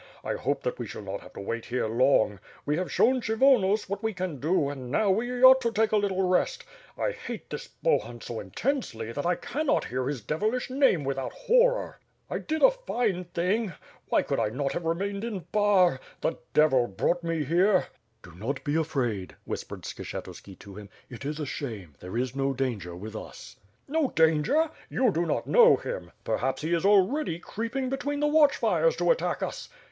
I hope that we shall not have to wait here long. We have shown Kshyvonos what we can do and now we ought to take a little rest. I hate this Bohun so intensely, that I cannot hear his devilish name without horror. I did J Khmyel—hops. 394 WITH FIRE AND SWORD, a fine thing! Why could I not have remained in Bar? The devil brought me here " "Do not be afraid/' whispered Skshetuski to him, "it is a shame. There is no danger with us." "No danger? You do not know him. Perhaps he is already creeping between the watch fires to attack us."